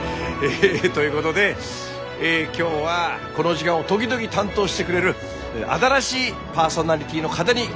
というごどで今日はこの時間を時々担当してくれる新しいパーソナリティーの方に来てもらいました。